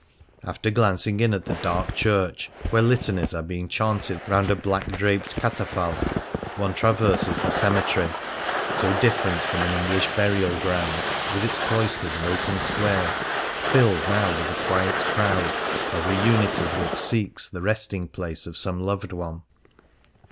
After glancing in at the dark church, where litanies are being chaunted round a black draped catafalque, one traverses the cemetery — so different from an English burial ground — with its cloisters and open squares, filled now with a quiet crowd, every unit of which seeks the resting place of some loved one.